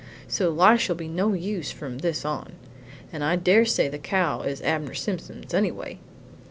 So Lisha'll be no use from this on; and I dare say the cow is Abner Simpson's anyway.